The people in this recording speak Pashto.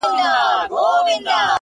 چي هغه ستا سيورى له مځكي ورك سو ـ